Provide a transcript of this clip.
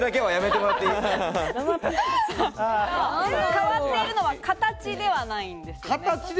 変わっているのは形ではないんですよね。